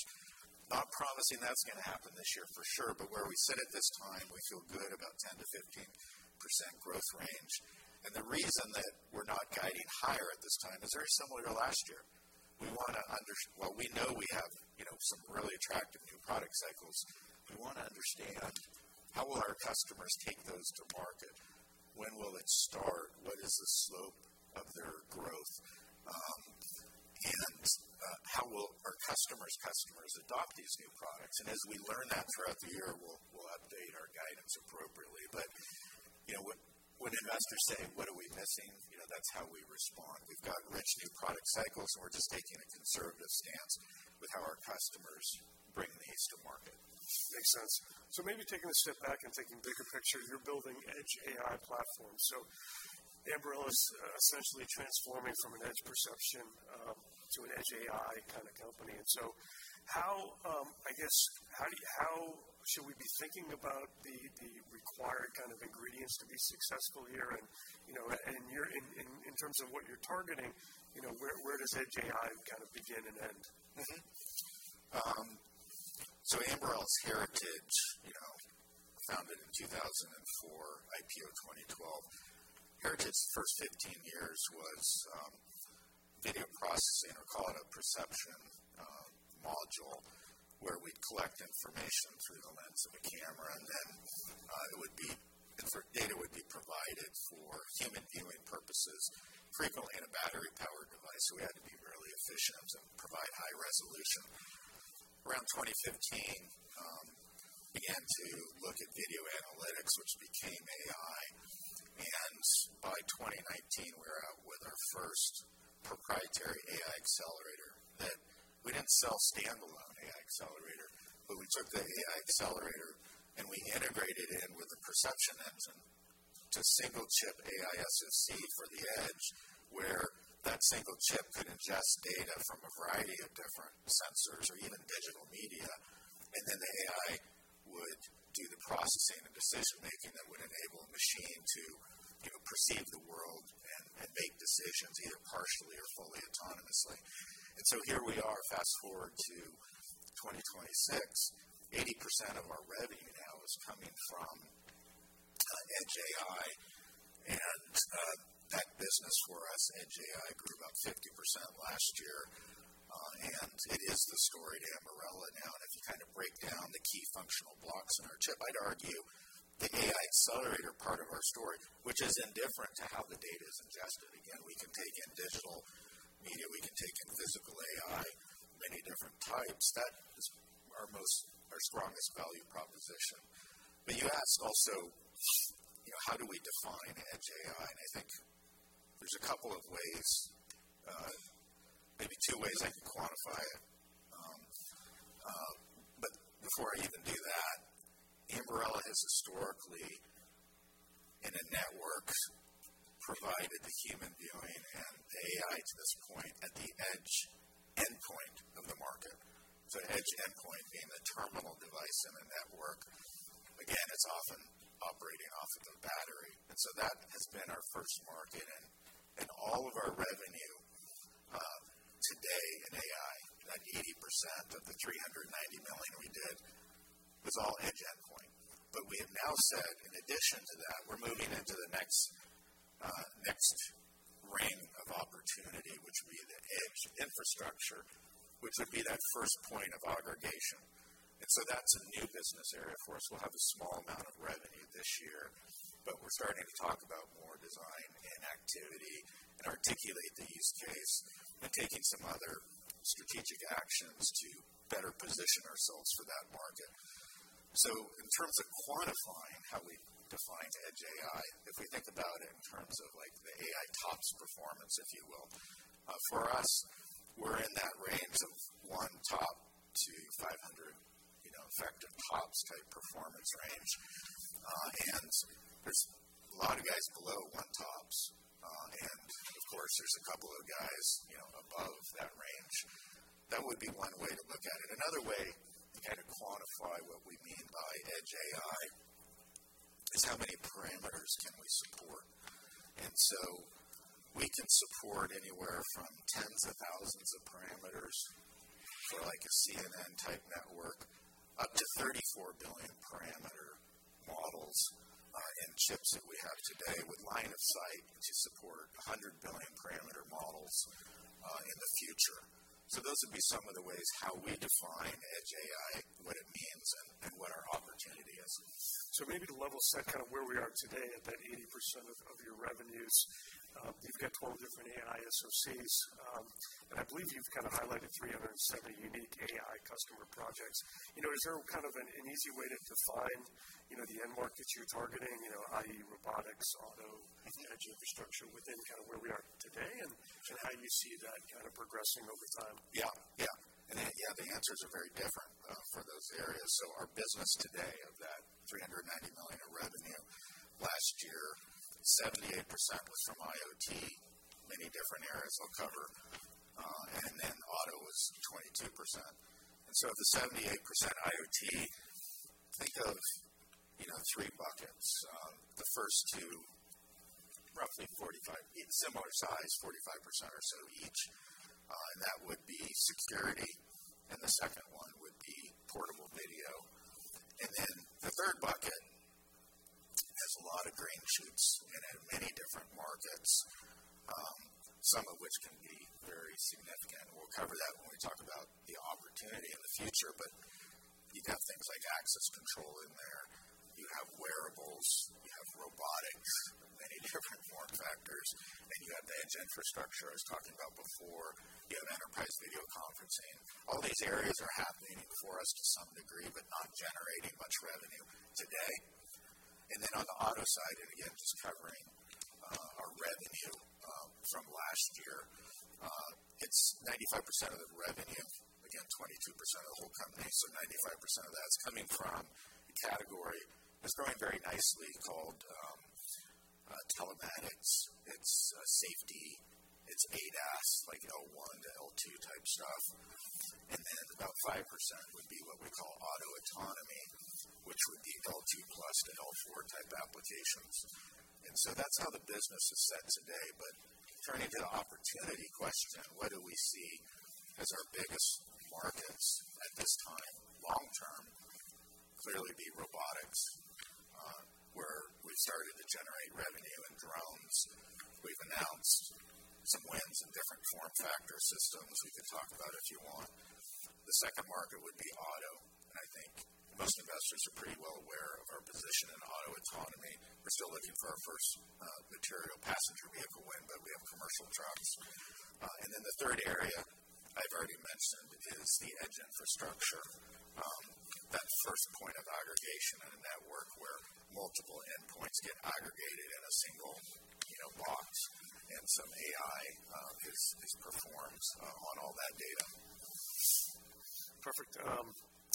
Not promising that's gonna happen this year for sure, but where we sit at this time, we feel good about 10%-15% growth range. The reason that we're not guiding higher at this time is very similar to last year. While we know we have, you know, some really attractive new product cycles, we wanna understand how will our customers take those to market? When will it start? What is the slope of their growth? How will our customers' customers adopt these new products? As we learn that throughout the year, we'll update our guidance appropriately. You know, when investors say, "What are we missing?" You know, that's how we respond. We've got rich new product cycles, and we're just taking a conservative stance with how our customers bring these to market. Makes sense. Maybe taking a step back and taking bigger picture, you're building edge AI platforms. Ambarella is essentially transforming from an edge perception to an edge AI kind of company. How, I guess, should we be thinking about the required kind of ingredients to be successful here? You know, in terms of what you're targeting, you know, where does edge AI kind of begin and end? Ambarella's heritage, you know, founded in 2004, IPO 2012. Heritage's first 15-years was video processing, or call it a perception module, where we'd collect information through the lens of a camera, and then data would be provided for human viewing purposes, frequently in a battery-powered device, so we had to be really efficient and provide high resolution. Around 2015, began to look at video analytics, which became AI. By 2019, we're out with our first proprietary AI accelerator that we didn't sell standalone, but we took the AI accelerator, and we integrated it in with a perception engine to single-chip AI SoC for the edge, where that single chip could ingest data from a variety of different sensors or even digital media. The AI would do the processing and decision-making that would enable a machine to, you know, perceive the world and make decisions either partially or fully autonomously. Here we are, fast-forward to 2026, 80% of our revenue now is coming from edge AI. That business for us in edge AI grew about 50% last year. It is the story at Ambarella now. If you kind of break down the key functional blocks in our chip, I'd argue the AI accelerator part of our story, which is indifferent to how the data is ingested. Again, we can take in digital media, we can take in physical AI, many different types. That is our strongest value proposition. You asked also, you know, how do we define edge AI? I think there's a couple of ways, maybe two ways I can quantify it. Before I even do that, Ambarella has historically in a network provided the human viewing and AI to this point at the edge endpoint of the market. Edge endpoint being the terminal device in a network. Again, it's often operating off of the battery. That has been our first market, and in all of our revenue, today in AI, that 80% of the $390 million we did was all edge endpoint. We have now said in addition to that, we're moving into the next ring of opportunity, which would be the edge infrastructure, which would be that first point of aggregation. That's a new business area. Of course, we'll have a small amount of revenue this year, but we're starting to talk about more design and activity and articulate the use case and taking some other strategic actions to better position ourselves for that market. In terms of quantifying how we define edge AI, if we think about it in terms of like the AI TOPS performance, if you will, for us, we're in that range of 1 TOPS to 500, you know, effective TOPS type performance range. There's a lot of guys below 1 TOPS. Of course, there's a couple of guys, you know, above that range. That would be one way to look at it. Another way to kind of quantify what we mean by edge AI is how many parameters can we support. We can support anywhere from tens of thousands of parameters for like a CNN type network up to 34 billion parameter models, in chips that we have today with line of sight to support a 100 billion parameter models, in the future. Those would be some of the ways how we define edge AI, what it means and what our opportunity is. Maybe to level set kind of where we are today at that 80% of your revenues, you've got 12 different AI SoCs, and I believe you've kind of highlighted 370 unique AI customer projects. You know, is there kind of an easy way to define, you know, the end market you're targeting, you know, i.e. robotics, auto, edge infrastructure within kind of where we are today and how you see that kind of progressing over time? The answers are very different for those areas. Our business today of that $390 million of revenue last year, 78% was from IoT, many different areas I'll cover, and then auto was 22%. Of the 78% IoT, think of, you know, three buckets. The first two, roughly 45%, be the similar size, 45% or so each, and that would be security, and the second one would be portable video. The third bucket has a lot of green shoots and in many different markets, some of which can be very significant. We'll cover that when we talk about the opportunity in the future. You've got things like access control in there. You have wearables, you have robotics, many different form factors, and you have the edge infrastructure I was talking about before. You have enterprise video conferencing. All these areas are happening for us to some degree, but not generating much revenue today. On the auto side, and again, just covering our revenue from last year, it's 95% of the revenue, again, 22% of the whole company. 95% of that's coming from a category that's growing very nicely called telematics. It's safety, it's ADAS, like L1-L2 type stuff. About 5% would be what we call auto autonomy, which would be L2+ to L4 type applications. That's how the business is set today. Turning to the opportunity question, what do we see as our biggest markets at this time long term? Clearly, robotics, where we've started to generate revenue in drones. We've announced some wins in different form factor systems we can talk about if you want. The second market would be auto, and I think most investors are pretty well aware of our position in auto autonomy. We're still looking for our first material passenger vehicle win, but we have commercial trucks. The third area I've already mentioned is the edge infrastructure. That first point of aggregation in a network where multiple endpoints get aggregated in a single, you know, box and some AI is performed on all that data. Perfect.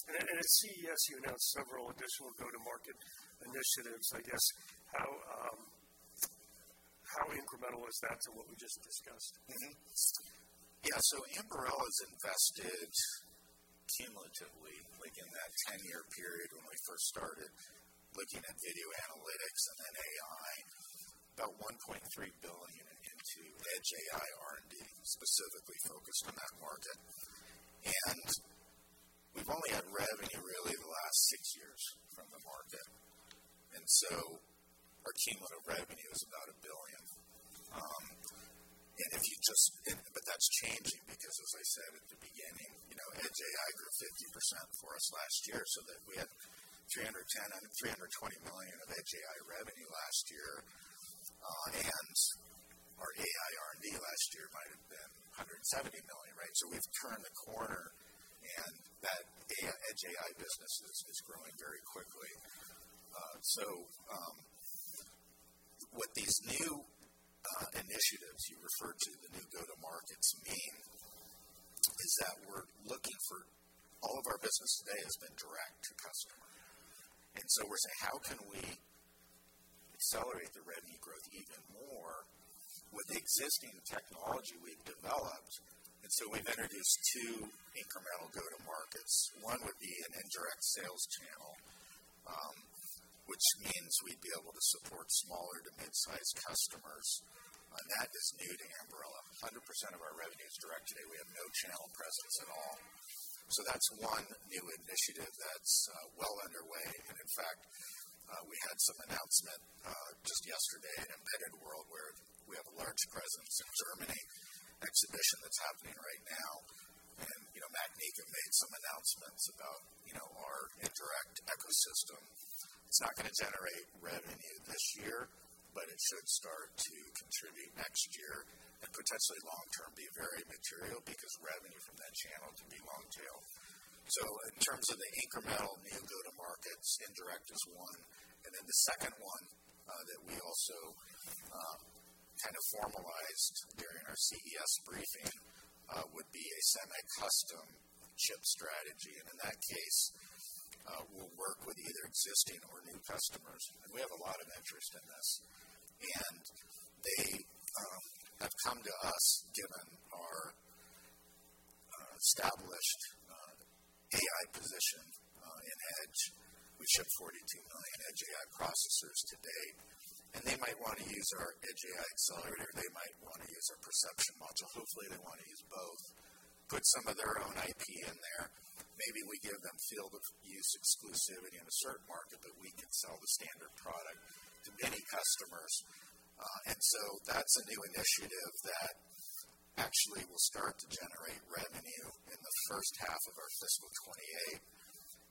At CES, you announced several additional go-to-market initiatives. I guess how incremental is that to what we just discussed? Ambarella's invested cumulatively, like in that 10-year period when we first started looking at video analytics and then AI, about $1.3 billion into edge AI R&D specifically focused on that market. We've only had revenue really the last six years from the market. Our cumulative revenue is about $1 billion. That's changing because as I said at the beginning, you know, edge AI grew 50% for us last year, so that we had $310 million out of $320 million of edge AI revenue last year. Our AI R&D last year might have been $170 million, right? We've turned the corner, and that AI—edge AI business is growing very quickly. What these new initiatives you referred to, the new go-to markets mean is that all of our business today has been direct to customer. We're saying, how can we accelerate the revenue growth even more with the existing technology we've developed? We've introduced two incremental go-to markets. One would be an indirect sales channel, which means we'd be able to support smaller to mid-size customers, and that is new to Ambarella. 100% of our revenue is direct today. We have no channel presence at all. That's one new initiative that's well underway. In fact, we had some announcement just yesterday at Embedded World, where we have a large presence in German exhibition that's happening right now. You know, Macnica made some announcements about, you know, our indirect ecosystem. It's not gonna generate revenue this year, but it should start to contribute next year and potentially long term be very material because the revenue from that channel can be long tail. In terms of the incremental new go-to markets, indirect is one, and then the second one that we also kind of formalized during our CES briefing would be a semi-custom chip strategy. In that case, we'll work with either existing or new customers. We have a lot of interest in this, and they have come to us given our established AI position in edge. We ship 42 million edge AI processors to date, and they might wanna use our edge AI accelerator. They might wanna use our perception module. Hopefully, they wanna use both, put some of their own IP in there. Maybe we give them field of use exclusivity in a certain market, but we can sell the standard product to many customers. That's a new initiative that actually will start to generate revenue in the first half of our fiscal 2028.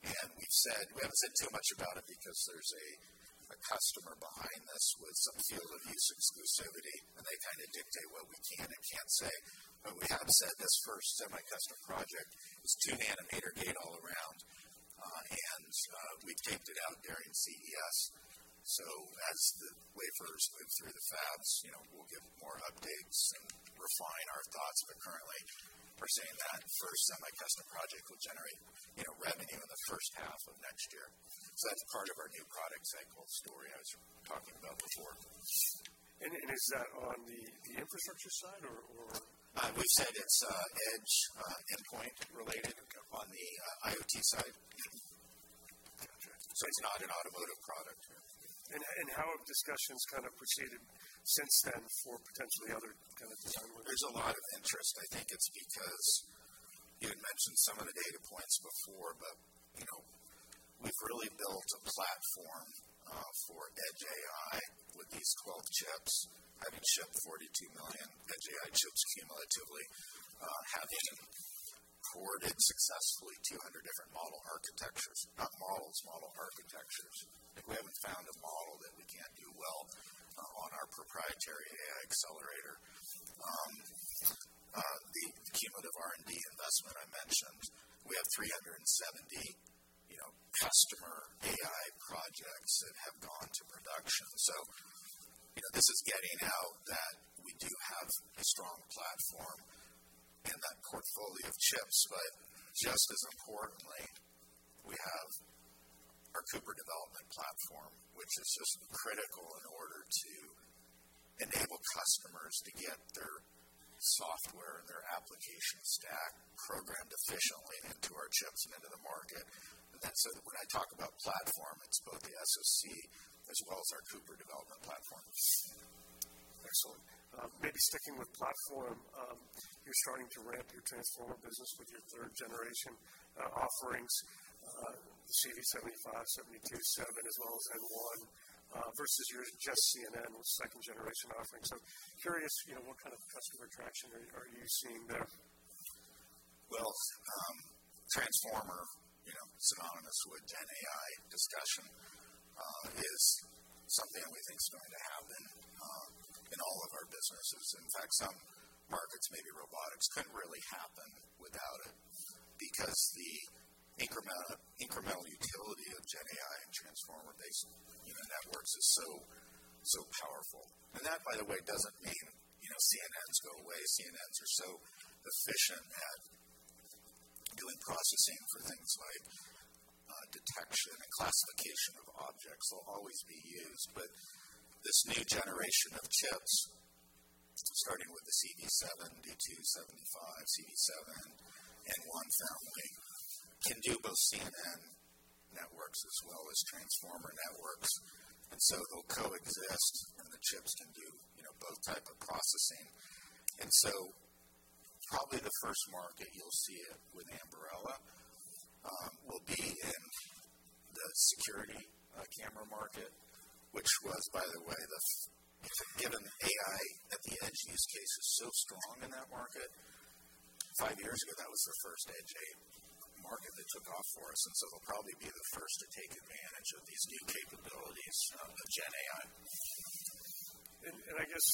We haven't said too much about it because there's a customer behind this with some field of use exclusivity, and they kind of dictate what we can and can't say. We have said this first semi-custom project is 2-nanometer gate-all-around, and we've taped it out during CES. As the wafers move through the fabs, you know, we'll give more updates and refine our thoughts. Currently we're saying that first semi-custom project will generate, you know, revenue in the first half of next year. That's part of our new product cycle story I was talking about before. Is that on the infrastructure side or? We've said it's edge, endpoint related on the IoT side. It's not an automotive product. How have discussions kind of proceeded since then for potentially other kind of design wins? There's a lot of interest. I think it's because you had mentioned some of the data points before, but you know, we've really built a platform for edge AI with these 12 chips, having shipped 42 million edge AI chips cumulatively, having ported successfully 200 different model architectures. Not models, model architectures. We haven't found a model that we can't do well on our proprietary AI accelerator. The cumulative R&D investment I mentioned, we have 370, you know, customer AI projects that have gone to production. You know, this is getting out that we do have a strong platform in that portfolio of chips. Just as importantly, we have our Cooper Developer Platform, which is just critical in order to enable customers to get their software and their application stack programmed efficiently into our chips and into the market. With that said, when I talk about platform, it's both the SoC as well as our Cooper Developer Platform. Excellent. Maybe sticking with platform, you're starting to ramp your transformer business with your third generation offerings, CV75, CV72, CV7, as well as N1, versus your just CNN second generation offerings. Curious, you know, what kind of customer traction are you seeing there? Well, transformer, you know, synonymous with GenAI discussion, is something that we think is going to happen in all of our businesses. In fact, some markets, maybe robotics, couldn't really happen without it because the incremental utility of GenAI and transformer-based neural networks is so powerful. That, by the way, doesn't mean, you know, CNNs go away. CNNs are so efficient at doing processing for things like detection and classification of objects. They'll always be used. This new generation of chips, starting with the CV72, CV75, CV7, N1 family, can do both CNN networks as well as transformer networks. It'll coexist, and the chips can do, you know, both type of processing. Probably the first market you'll see it with Ambarella will be in the security camera market, which was, by the way, given AI at the edge use case is so strong in that market, five years ago, that was the first edge AI market that took off for us. It'll probably be the first to take advantage of these new capabilities of the GenAI. I guess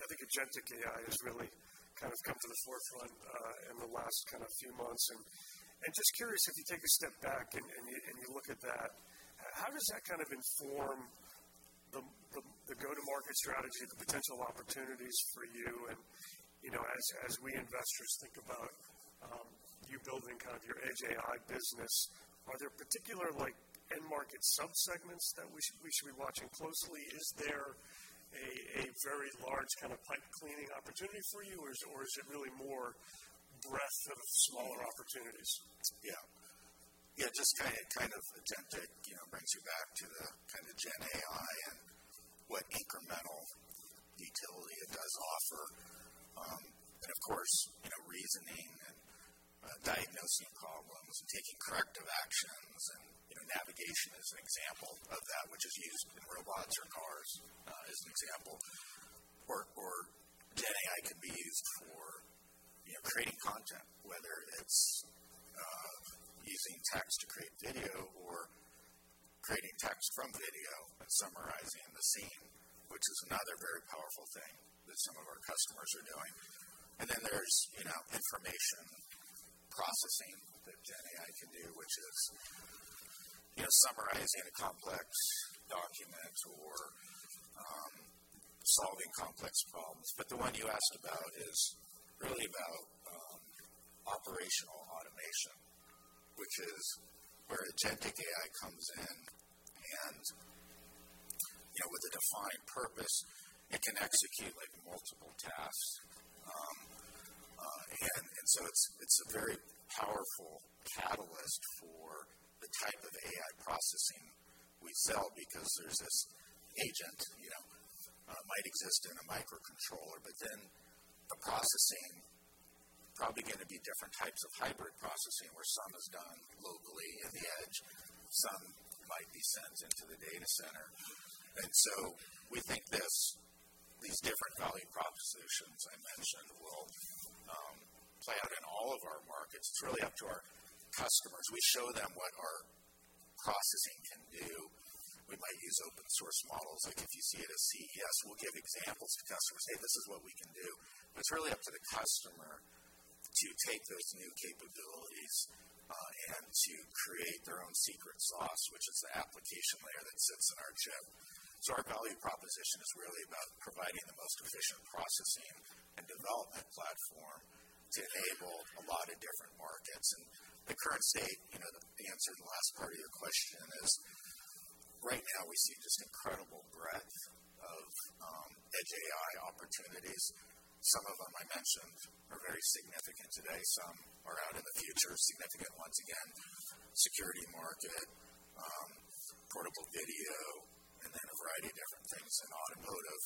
I think agentic AI has really kind of come to the forefront in the last kind of few months. Just curious if you take a step back and you look at that, how does that kind of inform the go-to-market strategy, the potential opportunities for you? You know, as we investors think about you building kind of your edge AI business, are there particular like end market subsegments that we should be watching closely? Is there a very large kind of pipeline opportunity for you, or is it really more breadth of smaller opportunities? Yeah. Yeah, just kind of agentic, you know, brings you back to the kind of GenAI and what incremental utility it does offer. Of course, you know, reasoning and diagnosing problems and taking corrective actions and, you know, navigation is an example of that which is used in robots or cars, as an example where GenAI can be used. Creating content, whether it's using text to create video or creating text from video and summarizing the scene, which is another very powerful thing that some of our customers are doing. Then there's, you know, information processing that GenAI can do, which is, you know, summarizing a complex document or solving complex problems. The one you asked about is really about operational automation, which is where agentic AI comes in and, you know, with a defined purpose, it can execute like multiple tasks. So it's a very powerful catalyst for the type of AI processing we sell because there's this agent, you know, might exist in a microcontroller, but then the processing probably gonna be different types of hybrid processing, where some is done locally in the edge, some might be sent into the data center. We think these different value propositions I mentioned will play out in all of our markets. It's really up to our customers. We show them what our processing can do. We might use open source models, like if you see it at CES, we'll give examples to customers, "Hey, this is what we can do." It's really up to the customer to take those new capabilities and to create their own secret sauce, which is the application layer that sits in our chip. Our value proposition is really about providing the most efficient processing and development platform to enable a lot of different markets. The current state, you know, the answer to the last part of your question is right now we see just incredible breadth of edge AI opportunities. Some of them I mentioned are very significant today. Some are out in the future, significant ones, again, security market, portable video, and then a variety of different things in automotive.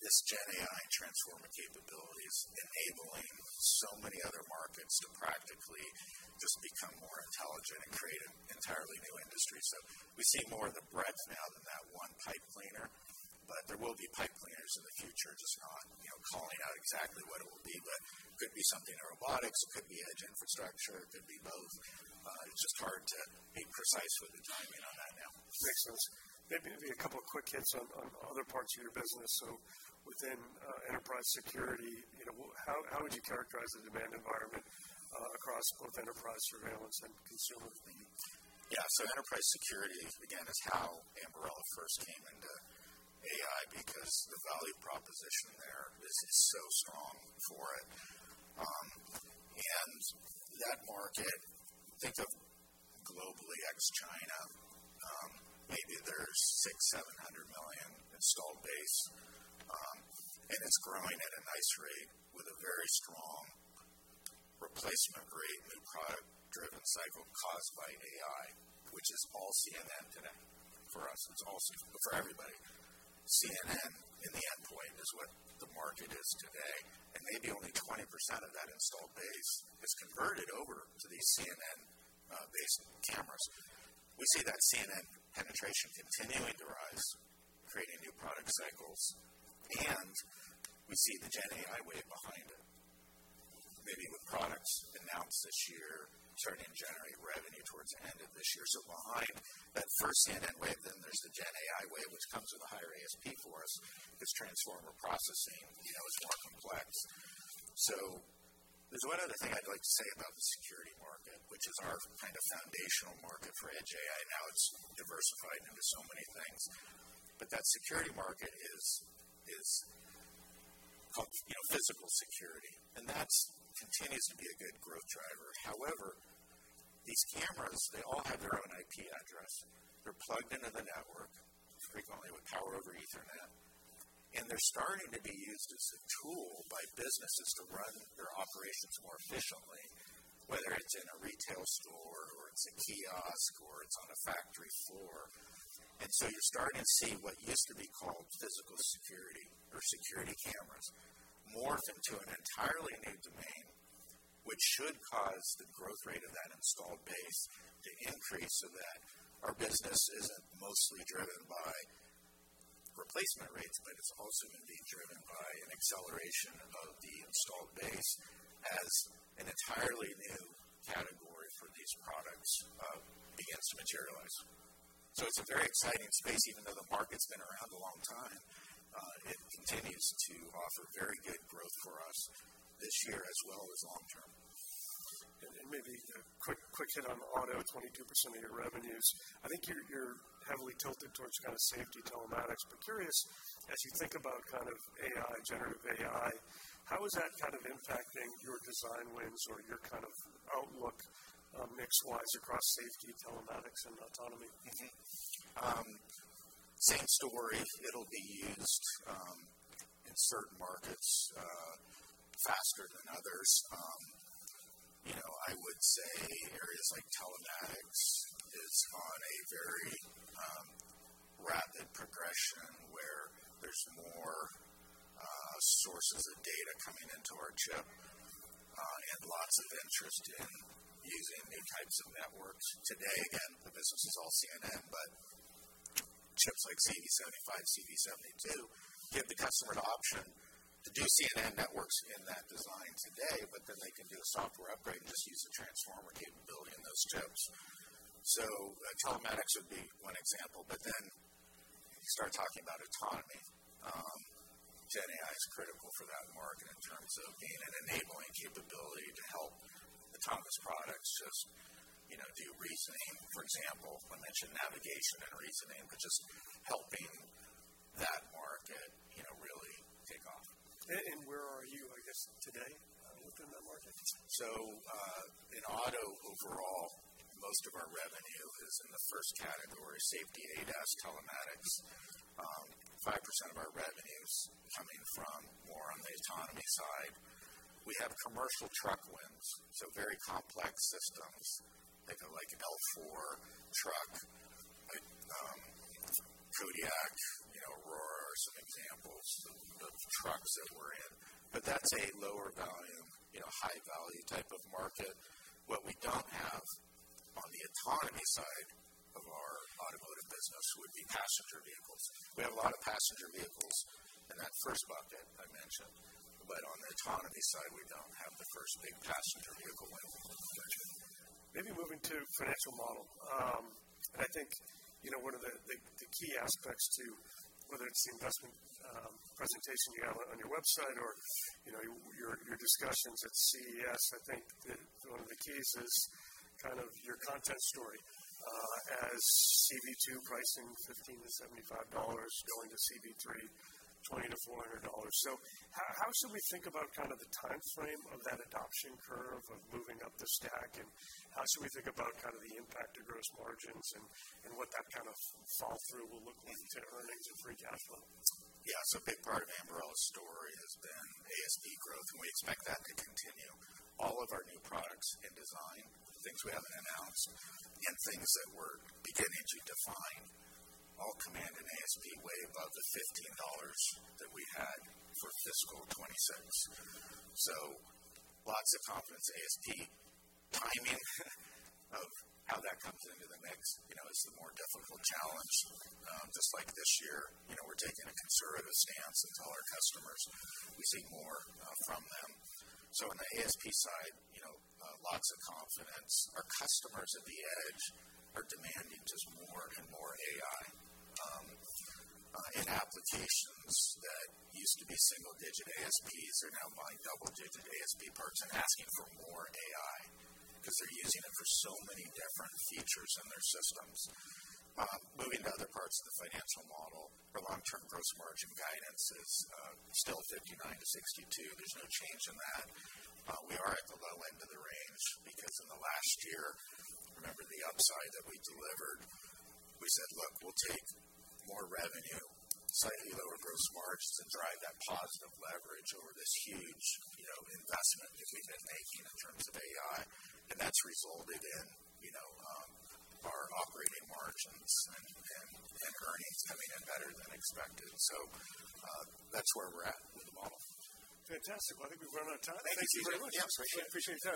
This GenAI transformer capabilities enabling so many other markets to practically just become more intelligent and create an entirely new industry. We see more of the breadth now than that one pipe cleaner, but there will be pipe cleaners in the future, just not, you know, calling out exactly what it will be, but could be something in robotics, it could be edge infrastructure, it could be both. It's just hard to be precise with the timing on that now. Makes sense. Maybe a couple of quick hits on other parts of your business. Within enterprise security, you know, how would you characterize the demand environment across both enterprise surveillance and consumer lending? Yeah. Enterprise security, again, is how Ambarella first came into AI because the value proposition there is so strong for it. That market, think of globally ex China, maybe there's 600 million-700 million installed base, and it's growing at a nice rate with a very strong replacement rate, new product driven cycle caused by AI, which is all CNN today. For us, it's all for everybody. CNN in the endpoint is what the market is today, and maybe only 20% of that installed base is converted over to these CNN based cameras. We see that CNN penetration continuing to rise, creating new product cycles, and we see the GenAI wave behind it. Maybe with products announced this year starting to generate revenue towards the end of this year. Behind that first CNN wave, then there's the GenAI wave, which comes with a higher ASP for us 'cause transformer processing, you know, is more complex. There's one other thing I'd like to say about the security market, which is our kind of foundational market for edge AI. Now it's diversified into so many things. That security market is called, you know, physical security, and that continues to be a good growth driver. However, these cameras, they all have their own IP address. They're plugged into the network frequently with Power over Ethernet, and they're starting to be used as a tool by businesses to run their operations more efficiently, whether it's in a retail store or it's a kiosk or it's on a factory floor. You're starting to see what used to be called physical security or security cameras morph into an entirely new domain, which should cause the growth rate of that installed base to increase so that our business isn't mostly driven by replacement rates, but it's also going to be driven by an acceleration of the installed base as an entirely new category for these products begins to materialize. It's a very exciting space. Even though the market's been around a long time, it continues to offer very good growth for us this year as well as long term. Maybe a quick hit on auto, 22% of your revenues. I think you're heavily tilted towards kind of safety telematics. Curious, as you think about kind of AI, generative AI, how is that kind of impacting your design wins or your kind of outlook, mix wise across safety, telematics, and autonomy? Same story. It'll be used in certain markets faster than others. You know, I would say in areas like telematics is on a very rapid progression where there's more sources of data coming into our chips. Lots of interest in using new types of networks today. Again, the business is all CNN, but chips like CV72, CV72 give the customer an option to do CNN networks in that design today, but then they can do a software upgrade and just use the transformer capability in those chips. Telematics would be one example, but then you start talking about autonomy. GenAI is critical for that market in terms of being an enabling capability to help autonomous products just, you know, do reasoning. For example, I mentioned navigation and reasoning, but just helping that market, you know, really take off. Where are you, I guess today within that market? In auto overall, most of our revenue is in the first category, safety, ADAS, telematics. 5% of our revenue is coming from more on the autonomy side. We have commercial truck wins, so very complex systems like an L4 truck like Kodiak, you know, Aurora are some examples of trucks that we're in, but that's a lower volume, you know, high value type of market. What we don't have on the autonomy side of our automotive business would be passenger vehicles. We have a lot of passenger vehicles in that first bucket I mentioned, but on the autonomy side, we don't have the first big passenger vehicle win. Gotcha. Maybe moving to financial model. I think, you know, one of the key aspects to whether it's the investment presentation you have on your website or, you know, your discussions at CES, I think that one of the keys is kind of your content story, as CV2 pricing $15-$75 going to CV3 $20-$400. How should we think about kind of the timeframe of that adoption curve of moving up the stack, and how should we think about kind of the impact to gross margins and what that kind of fall through will look like to earnings and free cash flow? Yeah. A big part of Ambarella's story has been ASP growth, and we expect that to continue. All of our new products in design, things we haven't announced and things that we're beginning to define all command an ASP way above the $15 that we had for fiscal 2026. Lots of confidence. ASP timing of how that comes into the mix, you know, is the more difficult challenge. Just like this year, you know, we're taking a conservative stance and tell our customers we see more from them. In the ASP side, you know, lots of confidence. Our customers at the edge are demanding just more and more AI in applications that used to be single-digit ASPs. They're now buying double-digit ASP parts and asking for more AI because they're using it for so many different features in their systems. Moving to other parts of the financial model, our long-term gross margin guidance is still 59%-62%. There's no change in that. We are at the low end of the range because in the last year, remember the upside that we delivered. We said, "Look, we'll take more revenue, slightly lower gross margins to drive that positive leverage over this huge, you know, investment that we've been making in terms of AI." That's resulted in, you know, our operating margins and earnings coming in better than expected. That's where we're at with the model. Fantastic. Well, I think we've run out of time. Thank you. Thank you very much. Yeah. I appreciate it. Appreciate your time.